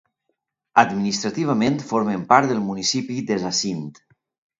Administrativament formen part del municipi de Zacint.